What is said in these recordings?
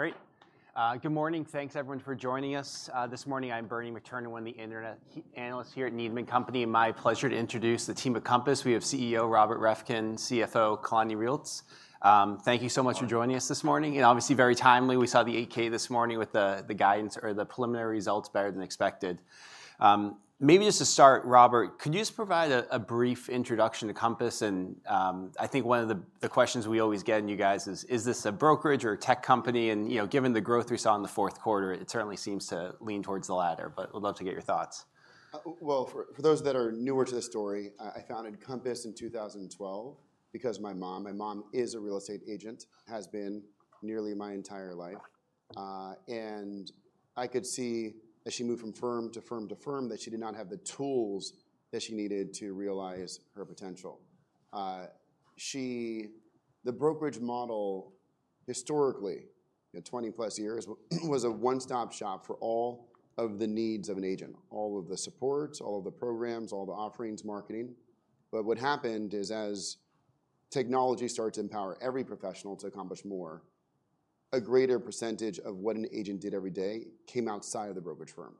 Great. Good morning. Thanks, everyone, for joining us. This morning, I'm Bernie McTernan, one of the internet analysts here at Needham & Company. My pleasure to introduce the team at Compass. We have CEO Robert Reffkin, CFO Kalani Reelitz. Thank you so much for joining us this morning. And obviously, very timely. We saw the 8-K this morning with the guidance or the preliminary results better than expected. Maybe just to start, Robert, could you just provide a brief introduction to Compass? And I think one of the questions we always get from you guys is, is this a brokerage or a tech company? And given the growth we saw in the fourth quarter, it certainly seems to lean towards the latter, but we'd love to get your thoughts. For those that are newer to the story, I founded Compass in 2012 because my mom (my mom is a real estate agent) has been nearly my entire life. And I could see, as she moved from firm to firm to firm, that she did not have the tools that she needed to realize her potential. The brokerage model, historically, 20-plus years, was a one-stop shop for all of the needs of an agent: all of the supports, all of the programs, all the offerings, marketing. But what happened is, as technology starts to empower every professional to accomplish more, a greater percentage of what an agent did every day came outside of the brokerage firm.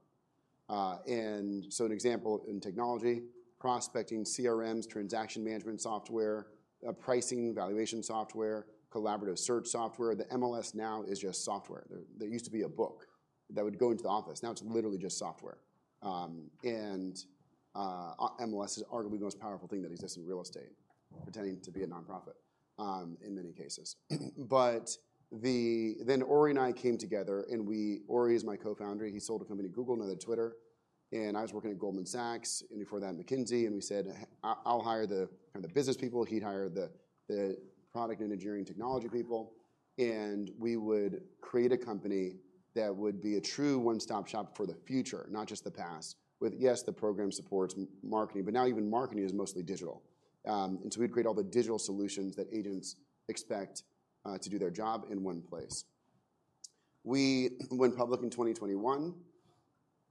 And so an example in technology: prospecting, CRMs, transaction management software, pricing, valuation software, collaborative search software. The MLS now is just software. There used to be a book that would go into the office. Now it's literally just software, and MLS is arguably the most powerful thing that exists in real estate, pretending to be a nonprofit in many cases, but then Ori and I came together, and Ori is my Co-founder. He sold a company to Google, another to Twitter, and I was working at Goldman Sachs, and before that, McKinsey, and we said, "I'll hire the business people." He'd hire the product and engineering technology people, and we would create a company that would be a true one-stop shop for the future, not just the past, with, yes, the program supports, marketing, but now even marketing is mostly digital, and so we'd create all the digital solutions that agents expect to do their job in one place. We went public in 2021,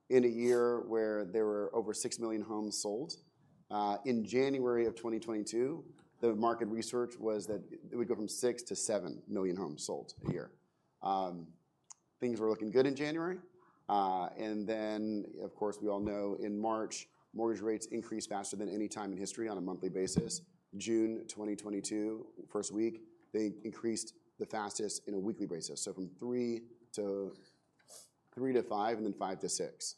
in a year where there were over six million homes sold.In January of 2022, the market research was that it would go from six to seven million homes sold a year. Things were looking good in January, and then, of course, we all know, in March, mortgage rates increased faster than any time in history on a monthly basis. June 2022, first week, they increased the fastest on a weekly basis. So from 3-5 and then 5-6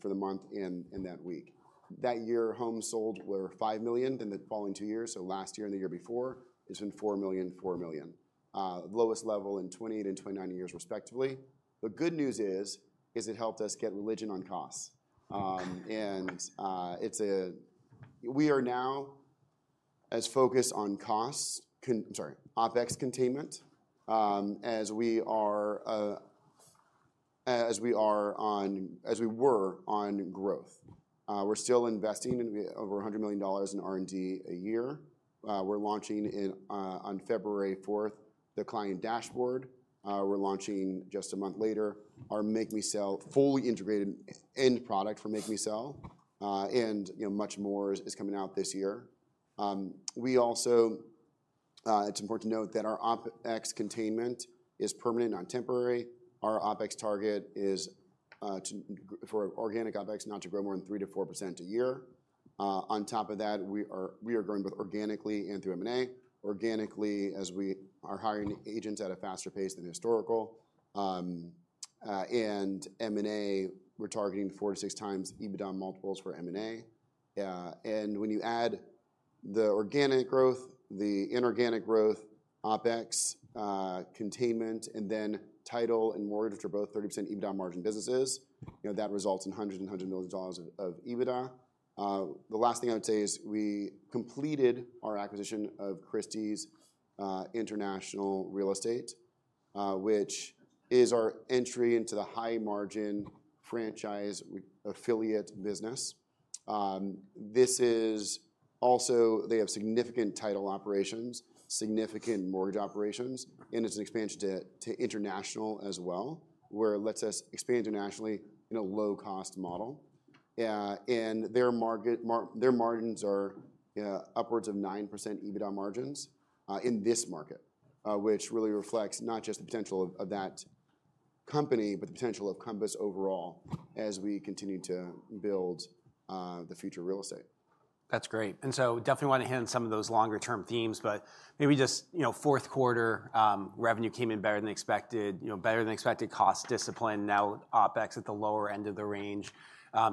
for the month in that week. That year, homes sold were five million. In the following two years, so last year and the year before, it's been four million, four million, the lowest level in 28 and 29 years, respectively. The good news is, it helped us get religion on costs, and we are now as focused on costs, I'm sorry, OpEx containment, as we are on, as we were on growth. We're still investing over $100 million in R&D a year. We're launching on February 4th the Client Dashboard. We're launching just a month later our Make Me Sell fully integrated end product for Make Me Sell. And much more is coming out this year. We also, it's important to note that our OpEx containment is permanent, not temporary. Our OpEx target is for organic OpEx not to grow more than 3%-4% a year. On top of that, we are growing both organically and through M&A. Organically, as we are hiring agents at a faster pace than historical. And M&A, we're targeting four to six times EBITDA multiples for M&A. And when you add the organic growth, the inorganic growth, OpEx containment, and then title and mortgage, which are both 30% EBITDA margin businesses, that results in hundreds and hundreds of millions of dollars of EBITDA. The last thing I would say is we completed our acquisition of Christie's International Real Estate, which is our entry into the high-margin franchise affiliate business. This is also, they have significant title operations, significant mortgage operations, and it's an expansion to international as well, where it lets us expand internationally in a low-cost model, and their margins are upwards of 9% EBITDA margins in this market, which really reflects not just the potential of that company, but the potential of Compass overall as we continue to build the future real estate. That's great. And so definitely want to hit on some of those longer-term themes, but maybe just fourth quarter revenue came in better than expected, better than expected cost discipline. Now, OpEx at the lower end of the range.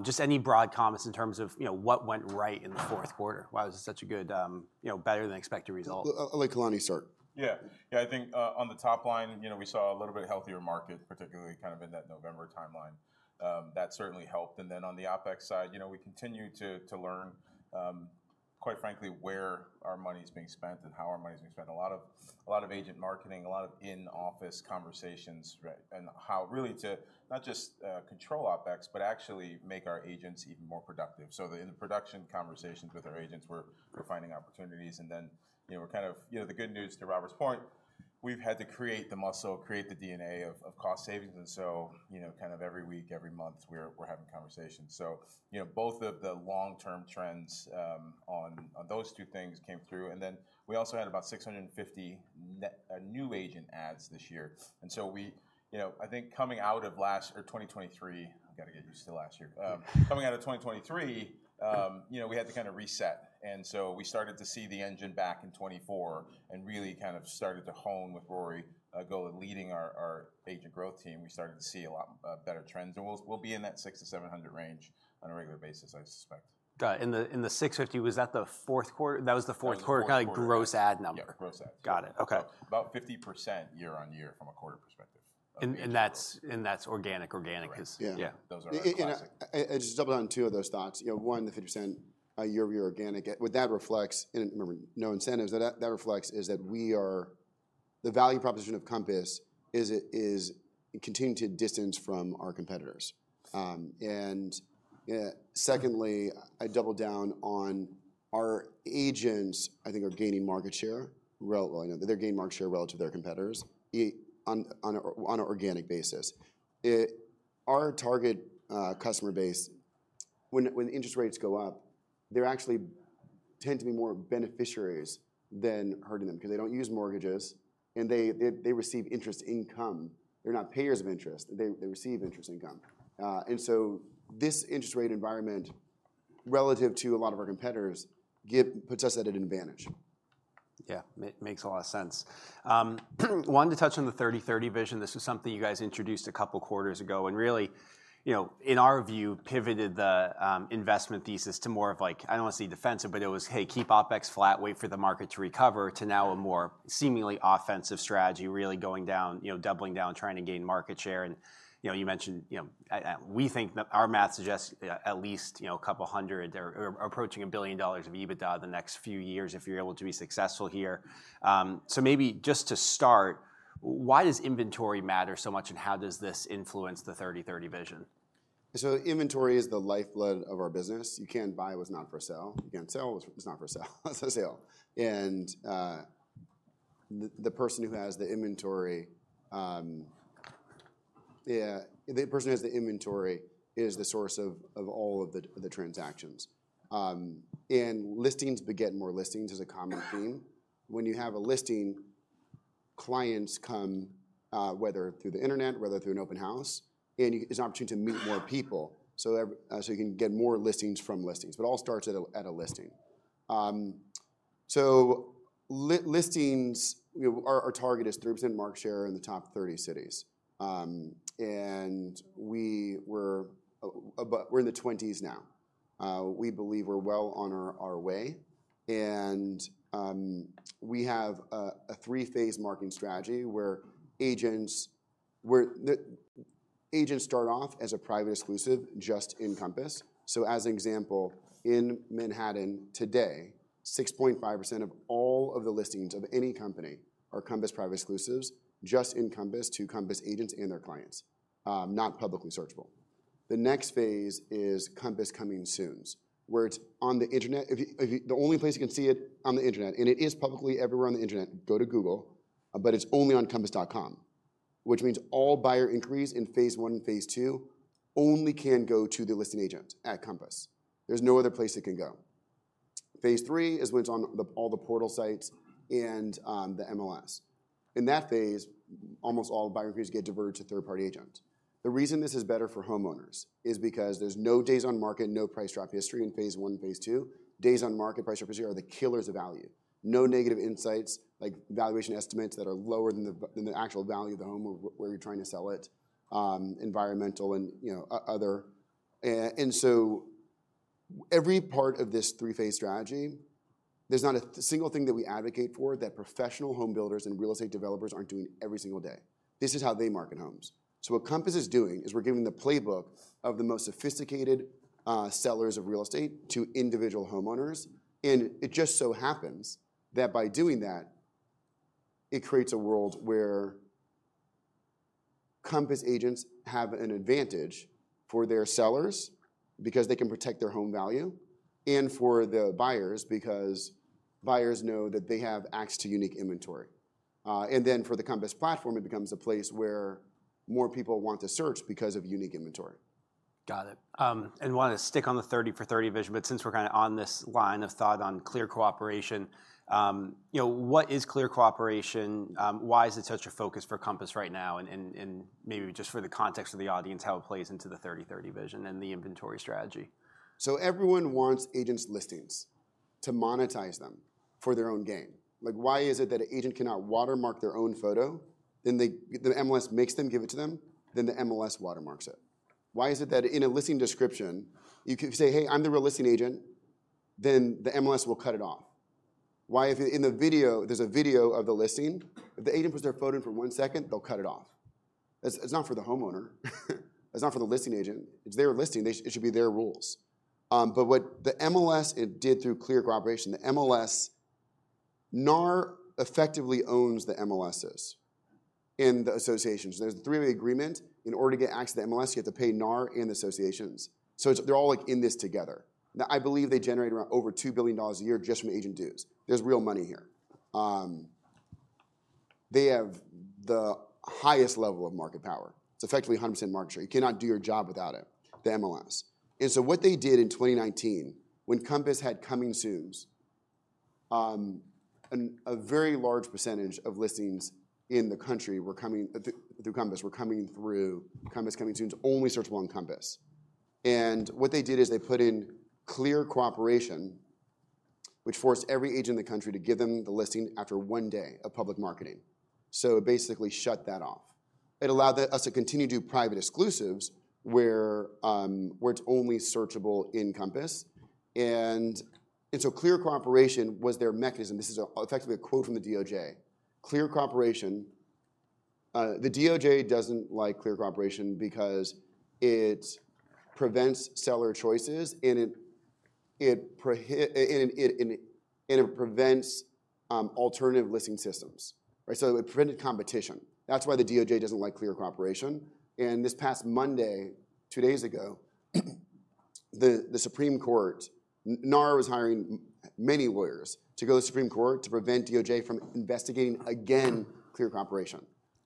Just any broad comments in terms of what went right in the fourth quarter, why was it such a good, better than expected result? Let Kalani start. Yeah. Yeah, I think on the top line, we saw a little bit healthier market, particularly kind of in that November timeline. That certainly helped. And then on the OpEx side, we continue to learn, quite frankly, where our money is being spent and how our money is being spent. A lot of agent marketing, a lot of in-office conversations, and how really to not just control OpEx, but actually make our agents even more productive. So in the production conversations with our agents, we're finding opportunities. And then we're kind of, the good news to Robert's point, we've had to create the muscle, create the DNA of cost savings. And so kind of every week, every month, we're having conversations. So both of the long-term trends on those two things came through. And then we also had about 650 new agent adds this year. And so I think coming out of last year or 2023. I've got to get used to last year. Coming out of 2023, we had to kind of reset. And so we started to see the engine back in 2024 and really kind of started to hone with Rory Golod leading our agent growth team. We started to see a lot better trends. And we'll be in that 600 to 700 range on a regular basis, I suspect. Got it. In the 650, was that the fourth quarter? That was the fourth quarter, kind of like gross add number. Yeah, gross add. Got it. Okay. About 50% year on year from a quarter perspective. That's organic because. Yeah, those are our objectives. I just doubled down on two of those thoughts. One, the 50% year-over-year organic, what that reflects, and remember, no incentives, that that reflects is that the value proposition of Compass is continuing to distance from our competitors. Secondly, I doubled down on our agents. I think they are gaining market share relative to their competitors on an organic basis. Our target customer base, when interest rates go up, they actually tend to be more beneficiaries than hurting them because they don't use mortgages and they receive interest income. They're not payers of interest. They receive interest income. And so this interest rate environment relative to a lot of our competitors puts us at an advantage. Yeah, makes a lot of sense. Wanted to touch on the 30/30 Vision. This was something you guys introduced a couple of quarters ago and really, in our view, pivoted the investment thesis to more of like, I don't want to say defensive, but it was, hey, keep OpEx flat, wait for the market to recover to now a more seemingly offensive strategy, really going down, doubling down, trying to gain market share. And you mentioned we think our math suggests at least a couple hundred or approaching $1 billion of EBITDA the next few years if you're able to be successful here. So maybe just to start, why does inventory matter so much and how does this influence the 30/30 Vision? Inventory is the lifeblood of our business. You can't buy what's not for sale. You can't sell what's not for sale. That's a sale. The person who has the inventory, yeah, the person who has the inventory is the source of all of the transactions. Listings beget more listings is a common theme. When you have a listing, clients come, whether through the internet, whether through an open house, and it's an opportunity to meet more people so you can get more listings from listings. It all starts at a listing. Listings are targeted as 3% market share in the top 30 cities. We're in the 20s now. We believe we're well on our way. We have a three-phase marketing strategy where agents start off as a Private Exclusive just in Compass.As an example, in Manhattan today, 6.5% of all of the listings of any company are Compass Private Exclusives just in Compass to Compass agents and their clients, not publicly searchable. The next phase is Compass Coming Soons, where it's on the internet. The only place you can see it on the internet, and it is publicly everywhere on the internet. Go to Google, but it's only on Compass.com, which means all buyer inquiries in phase and phase II only can go to the listing agent at Compass. There's no other place it can go. Phase III is when it's on all the portal sites and the MLS. In that phase, almost all buyer inquiries get diverted to third-party agents. The reason this is better for homeowners is because there's no days on market, no price drop history in phase I and phase II. Days on market, price drop history are the killers of value. No negative insights, like valuation estimates that are lower than the actual value of the home where you're trying to sell it, environmental and other, and so every part of this three-phase strategy, there's not a single thing that we advocate for that professional home builders and real estate developers aren't doing every single day. This is how they market homes, so what Compass is doing is we're giving the playbook of the most sophisticated sellers of real estate to individual homeowners and it just so happens that by doing that, it creates a world where Compass agents have an advantage for their sellers because they can protect their home value and for the buyers because buyers know that they have access to unique inventory. For the Compass platform, it becomes a place where more people want to search because of unique inventory. Got it. And wanted to stick on the 30/30 Vision, but since we're kind of on this line of thought on clear cooperation, what is clear cooperation? Why is it such a focus for Compass right now? And maybe just for the context of the audience, how it plays into the 30/30 Vision and the inventory strategy. So everyone wants agents' listings to monetize them for their own gain. Why is it that an agent cannot watermark their own photo? Then the MLS makes them give it to them, then the MLS watermarks it. Why is it that in a listing description, you could say, "Hey, I'm the real listing agent," then the MLS will cut it off? Why, if in the video, there's a video of the listing, if the agent puts their photo in for one second, they'll cut it off? It's not for the homeowner. It's not for the listing agent. It's their listing. It should be their rules. But what the MLS did through Clear Cooperation, the MLS, NAR effectively owns the MLSs and the associations. There's a three-way agreement. In order to get access to the MLS, you have to pay NAR and the associations. So they're all in this together. Now, I believe they generate over $2 billion a year just from agent dues. There's real money here. They have the highest level of market power. It's effectively 100% market share. You cannot do your job without it, the MLS. And so what they did in 2019, when Compass had Coming Soons, a very large percentage of listings in the country were coming through Compass, were coming through Compass Coming Soons, only searchable on Compass. And what they did is they put in Clear Cooperation, which forced every agent in the country to give them the listing after one day of public marketing. So it basically shut that off. It allowed us to continue to do Private Exclusives where it's only searchable in Compass. And so Clear Cooperation was their mechanism. This is effectively a quote from the DOJ.Clear Cooperation. The DOJ doesn't like Clear Cooperation because it prevents seller choices and it prevents alternative listing systems, so it prevented competition. That's why the DOJ doesn't like Clear Cooperation, and this past Monday, two days ago, the Supreme Court, NAR was hiring many lawyers to go to the Supreme Court to prevent DOJ from investigating again Clear Cooperation,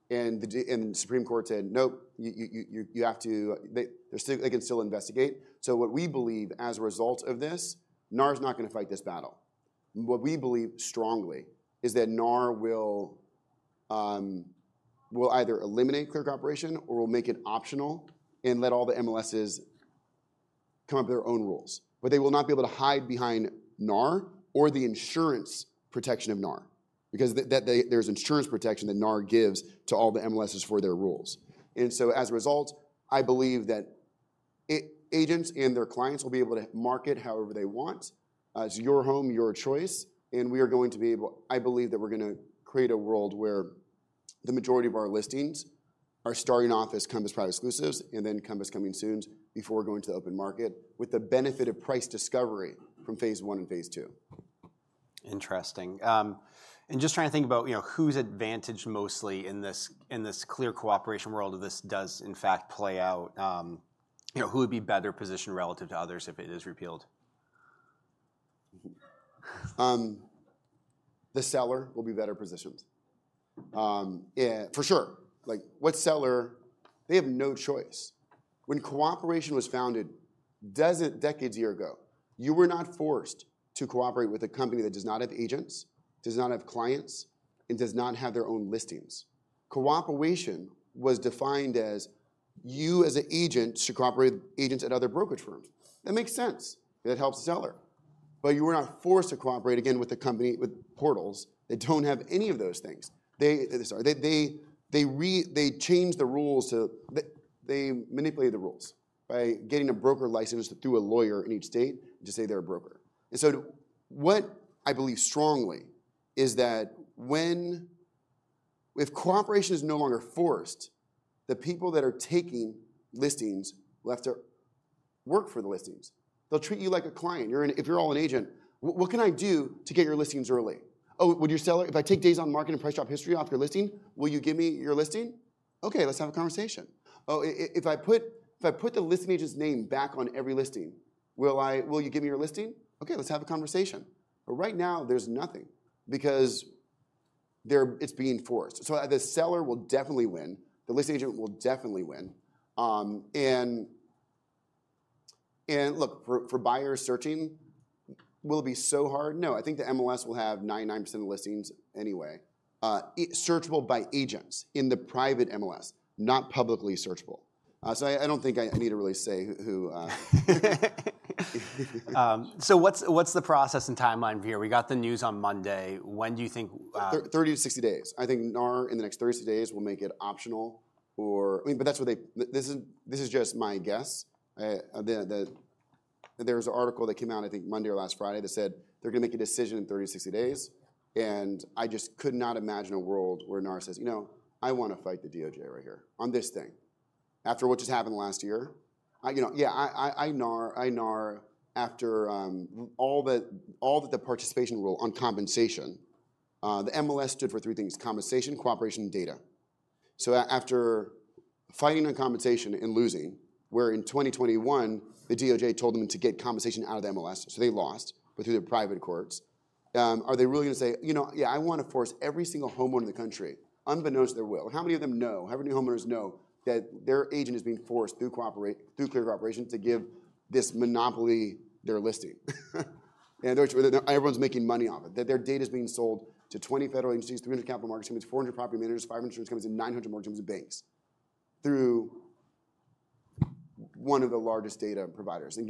and the Supreme Court said, "Nope, you have to, they can still investigate," so what we believe as a result of this, NAR is not going to fight this battle. What we believe strongly is that NAR will either eliminate Clear Cooperation or will make it optional and let all the MLSs come up with their own rules, but they will not be able to hide behind NAR or the insurance protection of NAR because there's insurance protection that NAR gives to all the MLSs for their rules. And so as a result, I believe that agents and their clients will be able to market however they want. It's your home, your choice. And we are going to be able, I believe that we're going to create a world where the majority of our listings are starting off as Compass Private Exclusives and then Compass Coming Soons before going to the open market with the benefit of price discovery from phase I and phase II. Interesting. And just trying to think about who's advantaged mostly in this Clear Cooperation world if this does in fact play out, who would be better positioned relative to others if it is repealed? The seller will be better positioned. For sure. What seller? They have no choice. When cooperation was founded decades ago, you were not forced to cooperate with a company that does not have agents, does not have clients, and does not have their own listings. Cooperation was defined as you, as an agent, should cooperate with agents at other brokerage firms. That makes sense. That helps the seller. But you were not forced to cooperate again with the company with portals that don't have any of those things. They changed the rules. They manipulated the rules by getting a broker license through a lawyer in each state to say they're a broker. And so what I believe strongly is that when cooperation is no longer forced, the people that are taking listings will have to work for the listings. They'll treat you like a client. If you're also an agent, what can I do to get your listings early? Oh, would your seller, if I take days on market and price drop history off your listing, will you give me your listing? Okay, let's have a conversation. Oh, if I put the listing agent's name back on every listing, will you give me your listing? Okay, let's have a conversation. But right now, there's nothing because it's being forced. So the seller will definitely win. The listing agent will definitely win. And look, for buyers searching, will it be so hard? No, I think the MLS will have 99% of listings anyway, searchable by agents in the private MLS, not publicly searchable. So I don't think I need to really say who. What's the process and timeline here? We got the news on Monday. When do you think? 30-60 days. I think NAR in the next 30-60 days will make it optional or I mean, but that's what they this is just my guess. There was an article that came out, I think, Monday or last Friday that said they're going to make a decision in 30-60 days. And I just could not imagine a world where NAR says, you know, I want to fight the DOJ right here on this thing after what just happened last year. Yeah, NAR after all that the participation rule on compensation, the MLS stood for three things, compensation, cooperation, and data. So after fighting on compensation and losing, where in 2021, the DOJ told them to get compensation out of the MLS, so they lost, but through their private courts, are they really going to say, you know, yeah, I want to force every single homeowner in the country, unbeknownst to their will? How many of them know? How many homeowners know that their agent is being forced through clear cooperation to give this monopoly their listing? And everyone's making money off it. Their data is being sold to 20 federal agencies, 300 capital markets, 400 property managers, 500 insurance companies, and 900 mortgage companies, banks through one of the largest data providers. And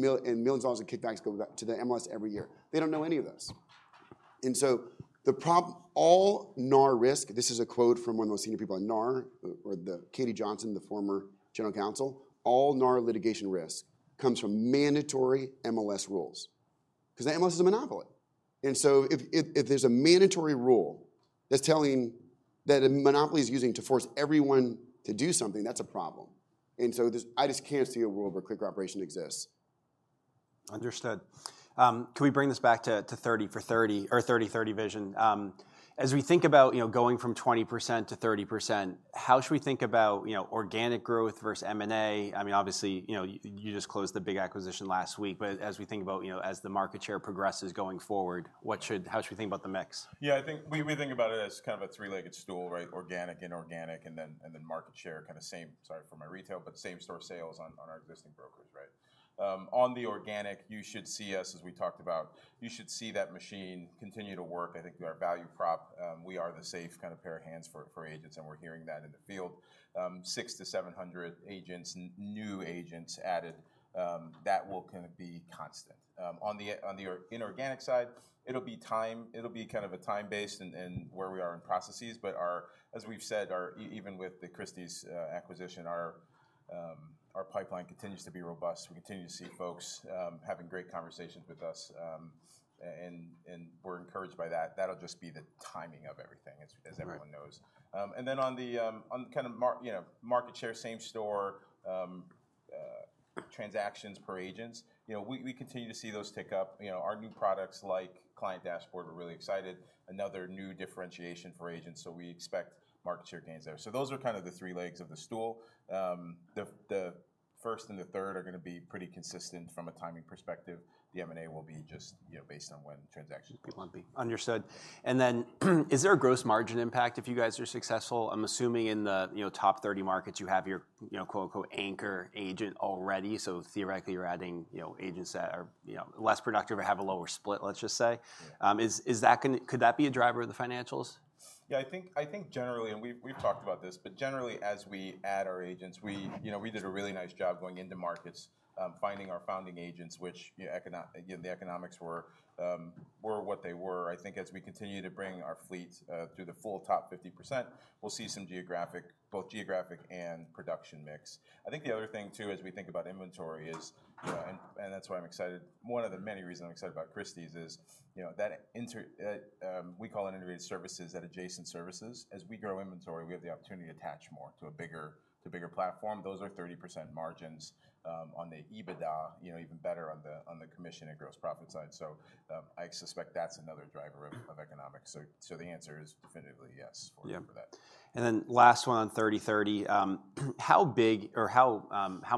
millions of dollars of kickbacks go to the MLS every year. They don't know any of this. And so the problem, all NAR risk, this is a quote from one of the most senior people at NAR, from Katie Johnson, the former general counsel. All NAR litigation risk comes from mandatory MLS rules because the MLS is a monopoly. And so if there's a mandatory rule that's the rule that a monopoly is using to force everyone to do something, that's a problem. And so I just can't see a rule where Clear Cooperation exists. Understood. Can we bring this back to 30/30 Vision? As we think about going from 20% to 30%, how should we think about organic growth versus M&A? I mean, obviously, you just closed the big acquisition last week, but as we think about the market share progresses going forward, how should we think about the mix? Yeah, I think we think about it as kind of a three-legged stool, right? Organic, inorganic, and then market share kind of same, sorry for my retail, but same store sales on our existing brokers, right? On the organic, you should see us, as we talked about, you should see that machine continue to work. I think our value prop, we are the safe kind of pair of hands for agents, and we're hearing that in the field. 600-700 agents, new agents added, that will kind of be constant. On the inorganic side, it'll be time, it'll be kind of a time-based and where we are in processes, but as we've said, even with the Christie's acquisition, our pipeline continues to be robust. We continue to see folks having great conversations with us, and we're encouraged by that. That'll just be the timing of everything, as everyone knows. And then, on the kind of market share, same store transactions per agents, we continue to see those tick up. Our new products like Client Dashboard are really excited. Another new differentiation for agents, so we expect market share gains there. So those are kind of the three legs of the stool. The first and the third are going to be pretty consistent from a timing perspective. The M&A will be just based on when transactions people want to be. Understood. And then is there a gross margin impact if you guys are successful? I'm assuming in the top 30 markets, you have your quote unquote anchor agent already. So theoretically, you're adding agents that are less productive or have a lower split, let's just say. Could that be a driver of the financials? Yeah, I think generally, and we've talked about this, but generally, as we add our agents, we did a really nice job going into markets, finding our founding agents, which the economics were what they were. I think as we continue to bring our fleet through the full top 50%, we'll see some geographic, both geographic and production mix. I think the other thing too, as we think about inventory, is, and that's why I'm excited, one of the many reasons I'm excited about Christie's, is that we call it integrated services, that adjacent services. As we grow inventory, we have the opportunity to attach more to a bigger platform. Those are 30% margins on the EBITDA, even better on the commission and gross profit side. I suspect that's another driver of economics. The answer is definitely yes for that. Then last one on 30/30, how big or how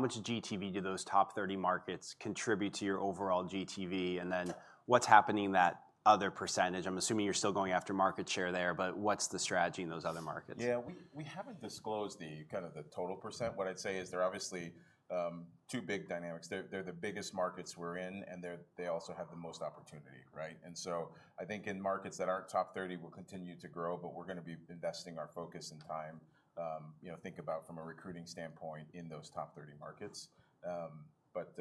much GTV do those top 30 markets contribute to your overall GTV? And then what's happening in that other percentage? I'm assuming you're still going after market share there, but what's the strategy in those other markets? Yeah, we haven't disclosed the kind of the total %. What I'd say is there are obviously two big dynamics. They're the biggest markets we're in, and they also have the most opportunity, right? And so I think in markets that aren't top 30, we'll continue to grow, but we're going to be investing our focus and time, think about from a recruiting standpoint in those top 30 markets. But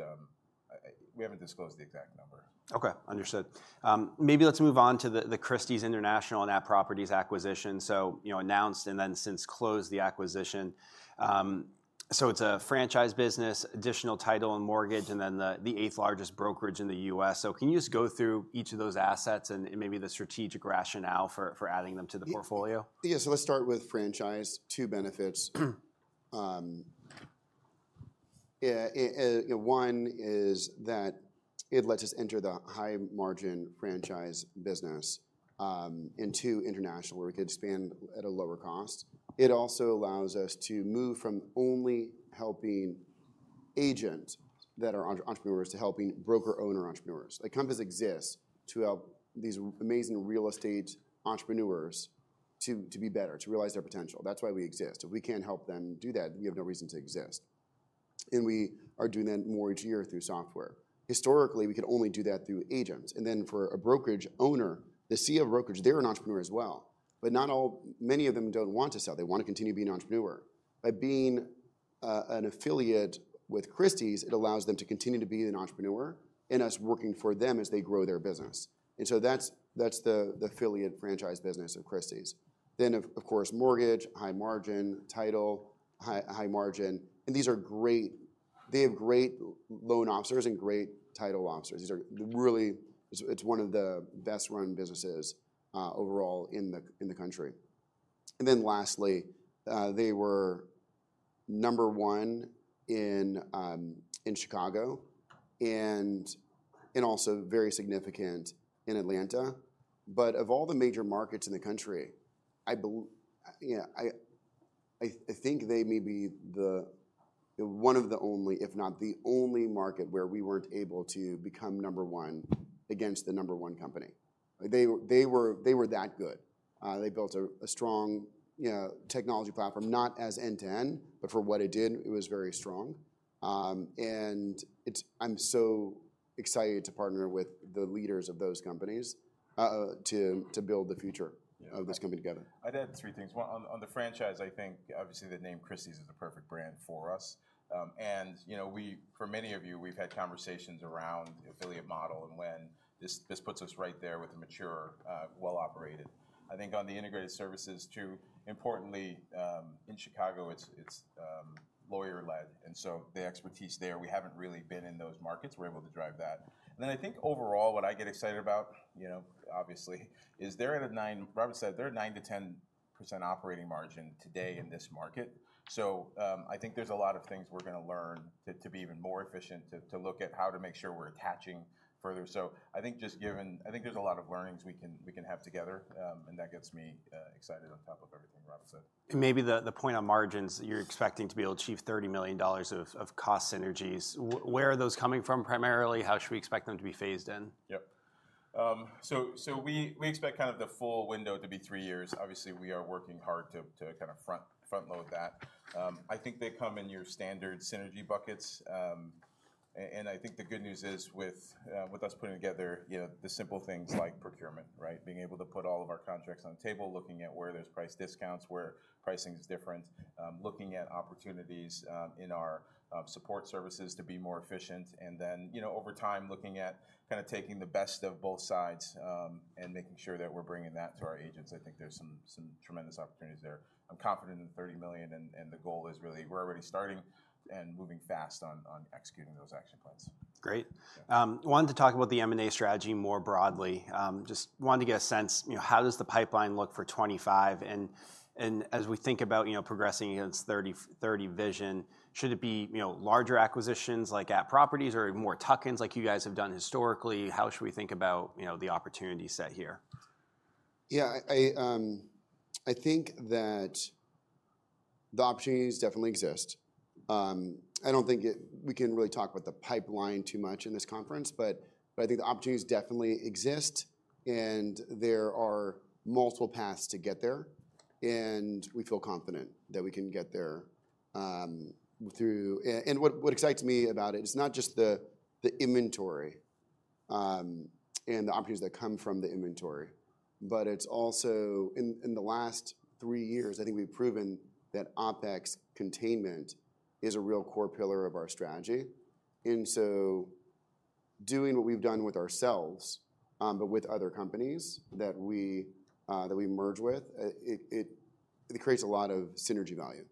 we haven't disclosed the exact number. Okay, understood. Maybe let's move on to the Christie's International and @properties acquisition. So announced and then since closed the acquisition. So it's a franchise business, additional title and mortgage, and then the eighth largest brokerage in the U.S. So can you just go through each of those assets and maybe the strategic rationale for adding them to the portfolio? Yeah, so let's start with franchise. Two benefits. One is that it lets us enter the high margin franchise business and to international where we could expand at a lower cost. It also allows us to move from only helping agents that are entrepreneurs to helping broker owner entrepreneurs. Companies exist to help these amazing real estate entrepreneurs to be better, to realize their potential. That's why we exist. If we can't help them do that, we have no reason to exist. And we are doing that more each year through software. Historically, we could only do that through agents. And then for a brokerage owner, the CEO of a brokerage, they're an entrepreneur as well, but many of them don't want to sell. They want to continue being an entrepreneur. By being an affiliate with Christie's, it allows them to continue to be an entrepreneur and us working for them as they grow their business, and so that's the affiliate franchise business of Christie's. Then, of course, mortgage, high margin, title, high margin, and these are great, they have great loan officers and great title officers. It's one of the best run businesses overall in the country, and then lastly, they were number one in Chicago and also very significant in Atlanta, but of all the major markets in the country, I think they may be one of the only, if not the only market where we weren't able to become number one against the number one company. They were that good. They built a strong technology platform, not as end to end, but for what it did, it was very strong. I'm so excited to partner with the leaders of those companies to build the future of this company together. I'd add three things. One on the franchise, I think obviously the name Christie's is a perfect brand for us, and for many of you, we've had conversations around affiliate model and when this puts us right there with a mature, well operated. I think on the integrated services, too, importantly in Chicago, it's lawyer-led, and so the expertise there, we haven't really been in those markets. We're able to drive that, and then I think overall, what I get excited about, obviously, is they're at a 9%, Robert said, they're at 9%-10% operating margin today in this market, so I think there's a lot of things we're going to learn to be even more efficient, to look at how to make sure we're attaching further.I think just given, I think there's a lot of learnings we can have together, and that gets me excited on top of everything Robert said. Maybe the point on margins, you're expecting to be able to achieve $30 million of cost synergies. Where are those coming from primarily? How should we expect them to be phased in? Yep. So we expect kind of the full window to be three years. Obviously, we are working hard to kind of front load that. I think they come in your standard synergy buckets, and I think the good news is with us putting together the simple things like procurement, right? Being able to put all of our contracts on the table, looking at where there's price discounts, where pricing is different, looking at opportunities in our support services to be more efficient, and then over time, looking at kind of taking the best of both sides and making sure that we're bringing that to our agents. I think there's some tremendous opportunities there. I'm confident in the $30 million, and the goal is really we're already starting and moving fast on executing those action plans. Great. Wanted to talk about the M&A strategy more broadly. Just wanted to get a sense, how does the pipeline look for 2025? And as we think about progressing against 30/30 Vision, should it be larger acquisitions like @properties or more tuck-ins like you guys have done historically? How should we think about the opportunity set here? Yeah, I think that the opportunities definitely exist. I don't think we can really talk about the pipeline too much in this conference, but I think the opportunities definitely exist, and there are multiple paths to get there. And we feel confident that we can get there through. And what excites me about it is not just the inventory and the opportunities that come from the inventory, but it's also in the last three years, I think we've proven that OpEx containment is a real core pillar of our strategy. And so doing what we've done with ourselves, but with other companies that we merge with, it creates a lot of synergy value.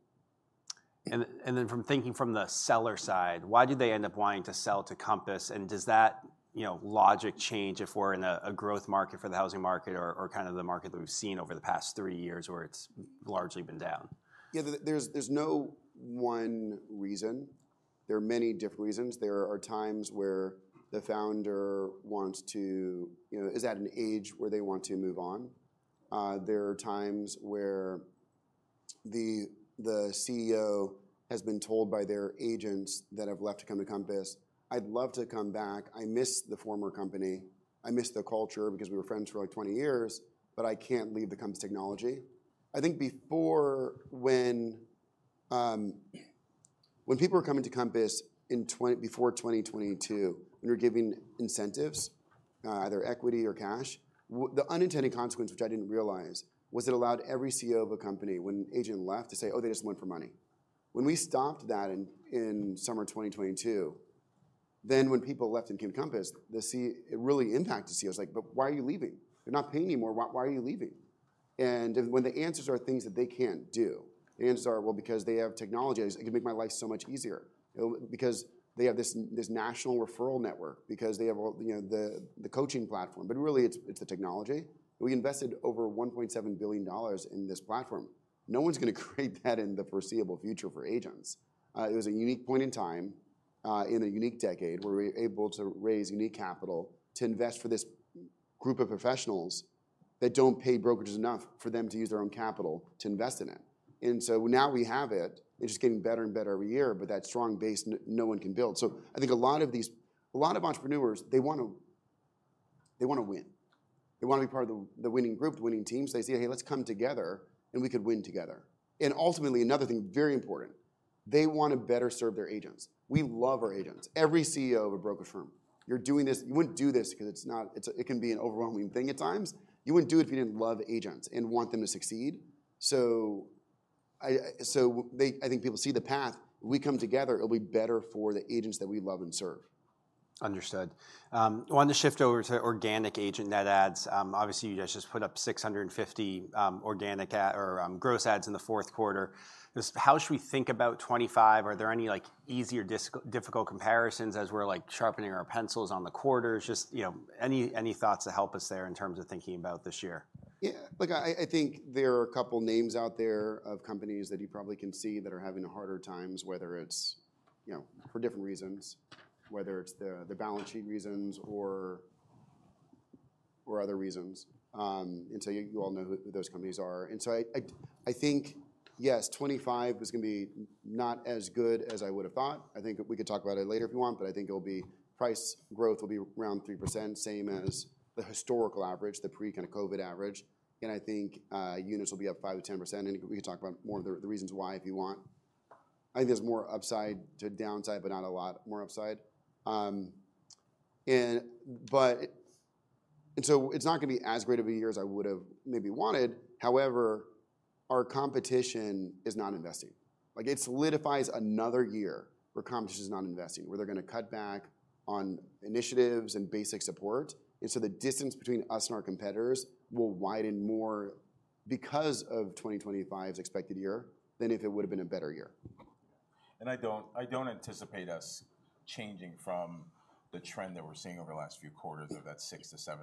And then from thinking from the seller side, why do they end up wanting to sell to Compass? And does that logic change if we're in a growth market for the housing market or kind of the market that we've seen over the past three years where it's largely been down? Yeah, there's no one reason. There are many different reasons. There are times where the founder wants to, is at an age where they want to move on. There are times where the CEO has been told by their agents that have left to come to Compass, I'd love to come back. I miss the former company. I miss the culture because we were friends for like 20 years, but I can't leave the Compass technology. I think before when people were coming to Compass before 2022, when we were giving incentives, either equity or cash, the unintended consequence, which I didn't realize, was it allowed every CEO of a company when an agent left to say, "Oh, they just went for money." When we stopped that in summer 2022, then when people left and came to Compass, it really impacted CEOs. Like, "But why are you leaving? You're not paying anymore. Why are you leaving?" And when the answers are things that they can't do, the answers are, "Well, because they have technology. It can make my life so much easier because they have this national referral network, because they have the coaching platform." But really, it's the technology. We invested over $1.7 billion in this platform. No one's going to create that in the foreseeable future for agents. It was a unique point in time in a unique decade where we were able to raise unique capital to invest for this group of professionals that don't pay brokers enough for them to use their own capital to invest in it. And so now we have it. It's just getting better and better every year, but that strong base no one can build. So I think a lot of these entrepreneurs, they want to win. They want to be part of the winning group, the winning team. So they say, "Hey, let's come together and we could win together." And ultimately, another thing very important, they want to better serve their agents. We love our agents. Every CEO of a brokerage firm, you're doing this. You wouldn't do this because it can be an overwhelming thing at times. You wouldn't do it if you didn't love agents and want them to succeed. So I think people see the path. If we come together, it'll be better for the agents that we love and serve. Understood. Wanted to shift over to organic agent net adds. Obviously, you guys just put up 650 organic or gross adds in the fourth quarter. How should we think about 2025? Are there any easier difficult comparisons as we're sharpening our pencils on the quarters? Just any thoughts to help us there in terms of thinking about this year? Yeah, look, I think there are a couple of names out there of companies that you probably can see that are having harder times, whether it's for different reasons, whether it's the balance sheet reasons or other reasons. And so you all know who those companies are. And so I think, yes, 2025 was going to be not as good as I would have thought. I think we could talk about it later if you want, but I think it'll be price growth will be around 3%, same as the historical average, the pre-COVID average. And I think units will be up 5%-10%. And we can talk about more of the reasons why if you want. I think there's more upside to downside, but not a lot more upside. And so it's not going to be as great of a year as I would have maybe wanted. However, our competition is not investing. It solidifies another year where competition is not investing, where they're going to cut back on initiatives and basic support. And so the distance between us and our competitors will widen more because of 2025's expected year than if it would have been a better year. I don't anticipate us changing from the trend that we're seeing over the last few quarters of that 600-700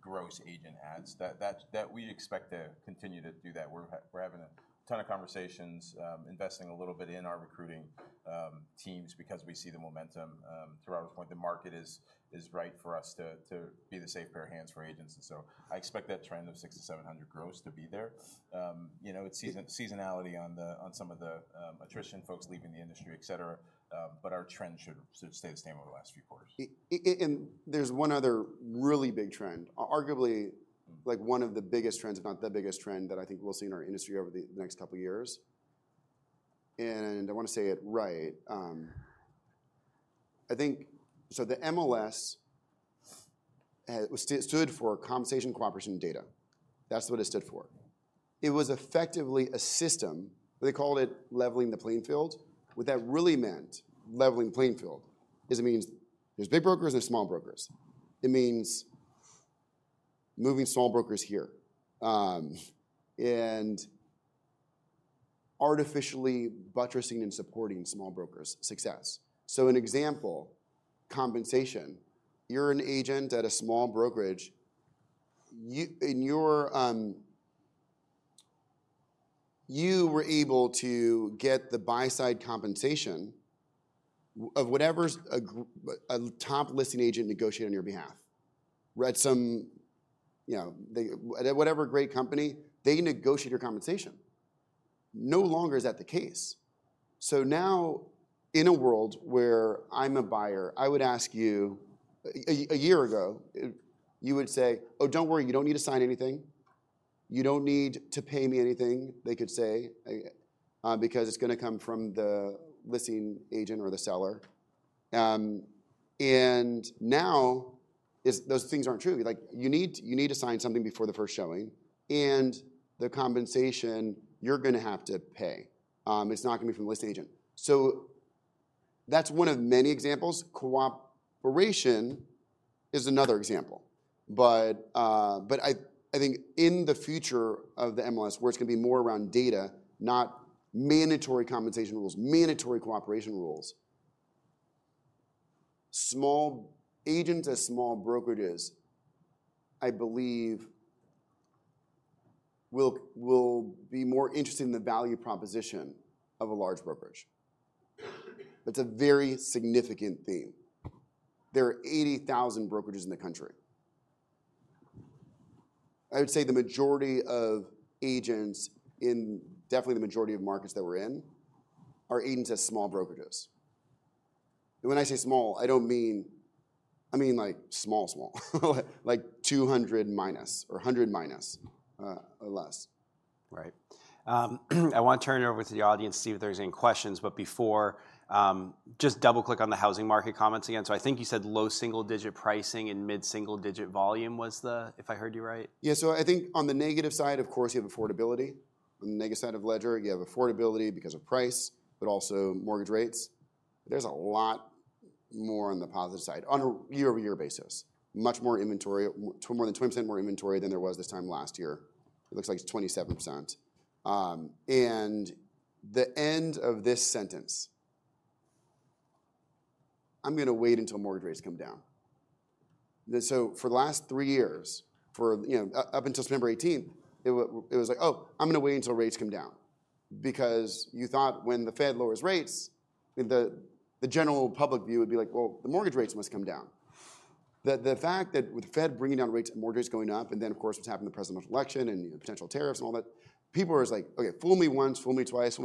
gross agent adds that we expect to continue to do that. We're having a ton of conversations, investing a little bit in our recruiting teams because we see the momentum. To Robert's point, the market is right for us to be the safe pair of hands for agents. I expect that trend of 600-700 gross to be there. It's seasonality on some of the attrition folks leaving the industry, et cetera, but our trend should stay the same over the last few quarters. And there's one other really big trend, arguably one of the biggest trends, if not the biggest trend that I think we'll see in our industry over the next couple of years. And I want to say it right. I think so the MLS stood for Compensation Cooperation Data. That's what it stood for. It was effectively a system. They called it leveling the playing field, but that really meant leveling the playing field in that it means there's big brokers and there's small brokers. It means moving small brokers here and artificially buttressing and supporting small brokers' success. So an example, compensation, you're an agent at a small brokerage. You were able to get the buy-side compensation of whatever a top listing agent negotiated on your behalf. At whatever great company, they negotiate your compensation. No longer is that the case. So now in a world where I'm a buyer, I would ask you a year ago, you would say, "Oh, don't worry, you don't need to sign anything. You don't need to pay me anything," they could say, because it's going to come from the listing agent or the seller. And now those things aren't true. You need to sign something before the first showing. And the compensation, you're going to have to pay. It's not going to be from the listing agent. So that's one of many examples. Cooperation is another example. But I think in the future of the MLS, where it's going to be more around data, not mandatory compensation rules, mandatory cooperation rules, small agents as small brokerages, I believe will be more interested in the value proposition of a large brokerage. It's a very significant theme. There are 80,000 brokerages in the country.I would say the majority of agents in, definitely, the majority of markets that we're in are agents as small brokerages. And when I say small, I don't mean. I mean like small, small, like 200 minus or 100 minus or less. Right. I want to turn it over to the audience, see if there's any questions. But before, just double-click on the housing market comments again. So I think you said low single-digit pricing and mid-single-digit volume was the, if I heard you right? Yeah. So I think on the negative side, of course, you have affordability. On the negative side of Ledger, you have affordability because of price, but also mortgage rates. There's a lot more on the positive side on a year-over-year basis. Much more inventory, more than 20% more inventory than there was this time last year. It looks like it's 27%. And the end of this sentence, I'm going to wait until mortgage rates come down. So for the last three years, up until September 18th, it was like, "Oh, I'm going to wait until rates come down." Because you thought when the Fed lowers rates, the general public view would be like, "Well, the mortgage rates must come down." The fact that with the Fed bringing down rates and mortgages going up, and then of course what's happened in the presidential election and potential tariffs and all that, people were like, "Okay, fool me once, fool me twice."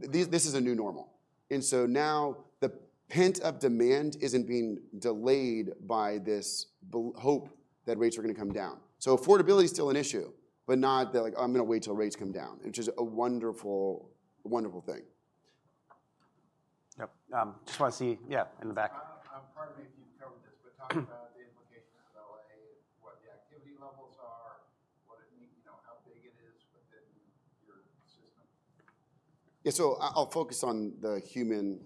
This is a new normal. And so now the pent-up demand isn't being delayed by this hope that rates are going to come down. So affordability is still an issue, but not that I'm going to wait till rates come down, which is a wonderful, wonderful thing. Yep. Just want to see, yeah, in the back. Pardon me if you've covered this, but talk about the implications of LA and what the activity levels are, how big it is within your system. [inaudible] Yeah, so I'll focus on the human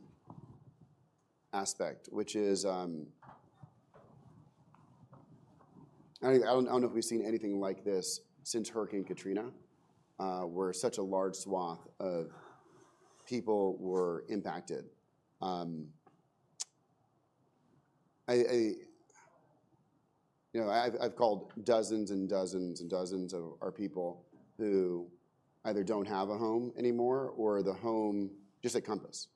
aspect, which is, I don't know if we've seen anything like this since Hurricane Katrina, where such a large swath of people were impacted. I've called dozens and dozens and dozens of our people who either don't have a home anymore or the home just at Compass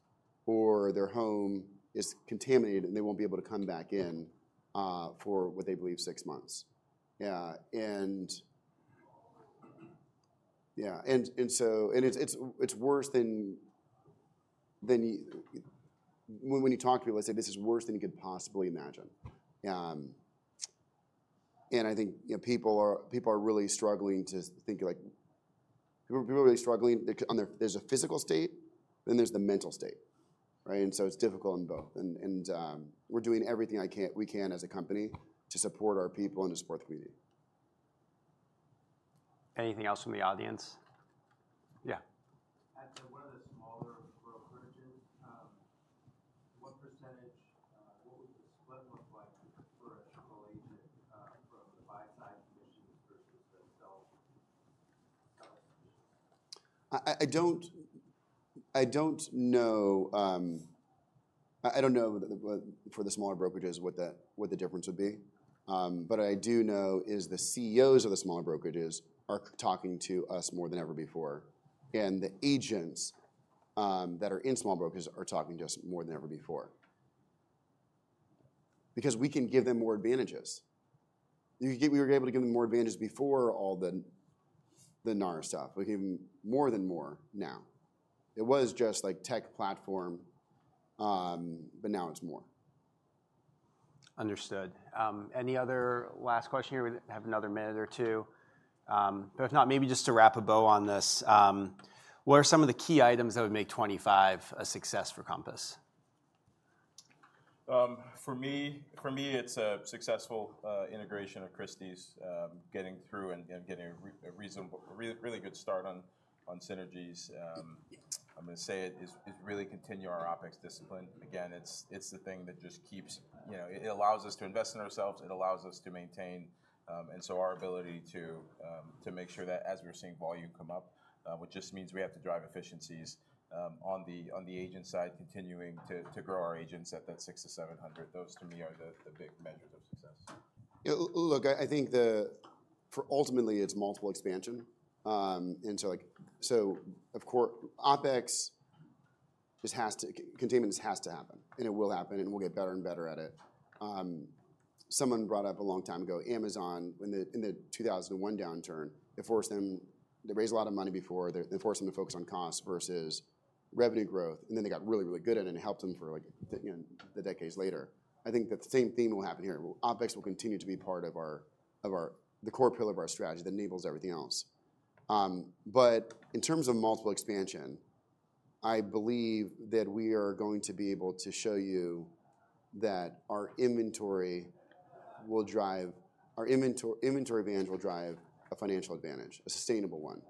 or their home is contaminated and they won't be able to come back in for what they believe six months. Yeah. And yeah. It's worse than when you talk to people. They say this is worse than you could possibly imagine. And I think people are really struggling. People are really struggling. There's a physical state, then there's the mental state. It's difficult in both, and we're doing everything we can as a company to support our people and to support the community. Anything else from the audience? Yeah. [inaudible] At one of the smaller brokerages, what percentage, what would the split look like for a typical agent from the buy-side conditions versus the sell-side conditions? I don't know for the smaller brokerages what the difference would be. But what I do know is the CEOs of the smaller brokerages are talking to us more than ever before. And the agents that are in small brokers are talking to us more than ever before because we can give them more advantages. We were able to give them more advantages before all the NAR stuff. We gave them more than more now. It was just like tech platform, but now it's more. Understood. Any other last question here? We have another minute or two. But if not, maybe just to wrap a bow on this, what are some of the key items that would make 2025 a success for Compass? For me, it's a successful integration of Christie's getting through and getting a really good start on synergies. I'm going to say it is really continue our OpEx discipline. Again, it's the thing that just keeps, it allows us to invest in ourselves. It allows us to maintain, and so our ability to make sure that as we're seeing volume come up, which just means we have to drive efficiencies on the agent side, continuing to grow our agents at that 6 to 700. Those to me are the big measures of success. Yeah. Look, I think ultimately it's multiple expansion. And so OpEx just has to be contained. It just has to happen. And it will happen. And we'll get better and better at it. Someone brought up a long time ago, Amazon in the 2001 downturn, they forced them to raise a lot of money before. They forced them to focus on costs versus revenue growth. And then they got really, really good at it and helped them for decades later. I think that the same theme will happen here. OpEx will continue to be part of the core pillar of our strategy that enables everything else. But in terms of multiple expansion, I believe that we are going to be able to show you that our inventory will drive our inventory advantage will drive a financial advantage, a sustainable one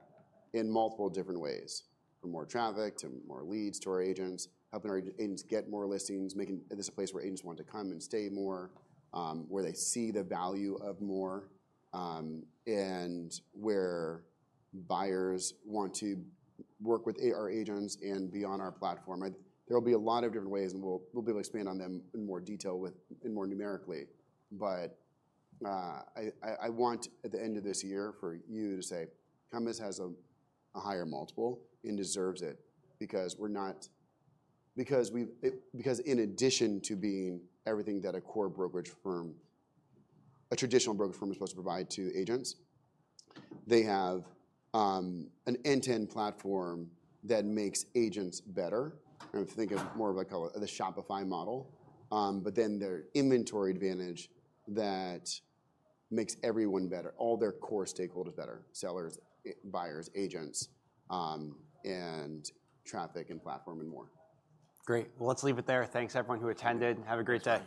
in multiple different ways, from more traffic to more leads to our agents, helping our agents get more listings, making this a place where agents want to come and stay more, where they see the value of more, and where buyers want to work with our agents and be on our platform. There will be a lot of different ways, and we'll be able to expand on them in more detail and more numerically. But I want at the end of this year for you to say Compass has a higher multiple and deserves it because in addition to being everything that a core brokerage firm, a traditional brokerage firm is supposed to provide to agents, they have an end-to-end platform that makes agents better. I think of more of like the Shopify model, but then their inventory advantage that makes everyone better, all their core stakeholders better, sellers, buyers, agents, and traffic and platform and more. Great. Well, let's leave it there. Thanks, everyone who attended. Have a great day.